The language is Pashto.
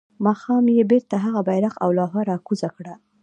ماښام يې بيرته هغه بيرغ او لوحه راکوزه کړه.